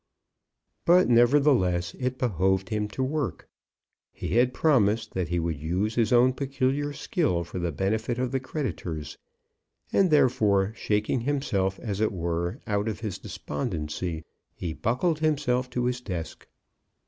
But nevertheless it behoved him to work. He had promised that he would use his own peculiar skill for the benefit of the creditors, and therefore, shaking himself as it were out of his despondency, he buckled himself to his desk.